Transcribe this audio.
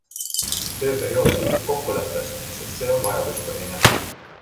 Töö periood sõltub kokkuleppest, sest see on vajaduspõhine.